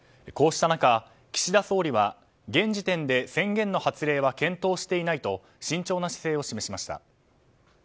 こうした中、岸田総理は現時点で宣言の発令は検討していないと慎重な姿勢を示しました。